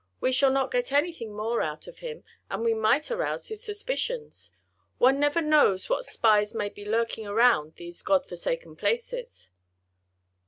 We shall not get anything more out of him, and we might arouse his suspicions. One never knows what spies may be lurking around these God forsaken places."